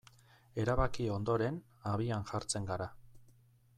Erabaki ondoren, abian jartzen gara.